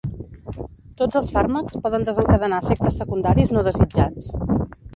Tots els fàrmacs poden desencadenar efectes secundaris no desitjats.